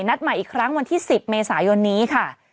นัดใหม่อีกครั้งวันที่๑๐เมษายนนี้ค่ะ